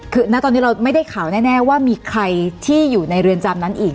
คือณตอนนี้เราไม่ได้ข่าวแน่ว่ามีใครที่อยู่ในเรือนจำนั้นอีก